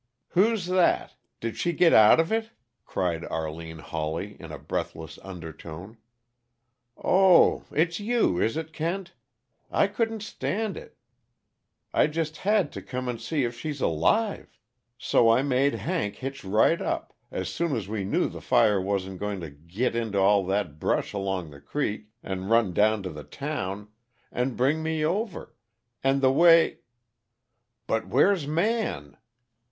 "Who's that? Did she git out of it?" cried Arline Hawley, in a breathless undertone, "Oh it's you, is it, Kent? I couldn't stand it I just had to come and see if she's alive. So I made Hank hitch right up as soon as we knew the fire wasn't going to git into all that brush along the creek, and run down to the town and bring me over. And the way " "But where's Man?"